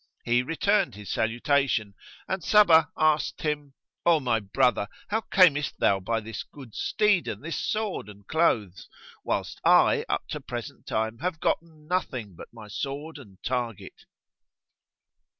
He returned his salutation, and Sabbah asked him, "O my brother, how camest thou by this good steed and this sword and clothes, whilst I up to present time have gotten nothing but my sword and target?"